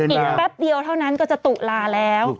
อีกแป๊บเดียวเท่านั้นก็จะตุลาแล้ว